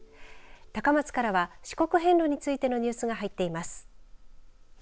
高松からは四国遍路についてのニュースが入っています。